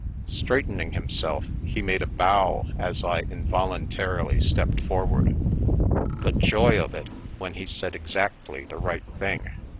Straight ening himself, he made a bow as I involuntarily stepped General Cargo forward. The joy of it when he said exactly the right thing!